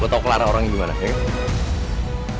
lu tau clara orang ini gimana ya kan